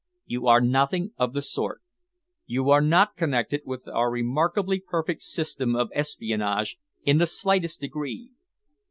You are nothing of the sort. You are not connected with our remarkably perfect system of espionage in the slightest degree.